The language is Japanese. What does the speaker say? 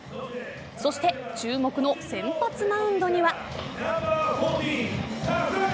そして注目の先発マウンドには。